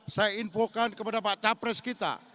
saya infokan kepada pak capres kita